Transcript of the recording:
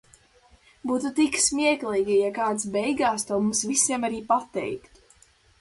Būtu tik smieklīgi, ja kāds beigās to mums visiem arī pateiktu.